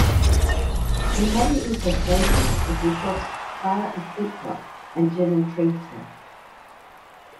In heavy infestations it can cause flower and fruit drop and general tree stress.